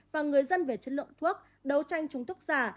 và người dân về chất lượng thuốc đấu tranh chống thuốc giả